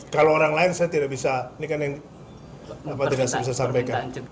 kalau orang lain saya tidak bisa sampaikan